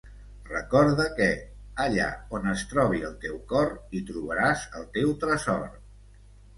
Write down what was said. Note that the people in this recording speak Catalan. Recorda que, allà on es trobi el teu cor, hi trobaràs el teu tresor.